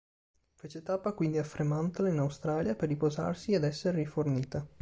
Fece tappa quindi a Fremantle in Australia per riposarsi ed esser rifornita.